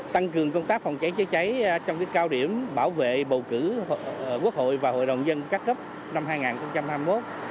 tăng cường công tác phòng cháy chữa cháy trong cao điểm bảo vệ bầu cử quốc hội và hội đồng dân các cấp năm hai nghìn hai mươi một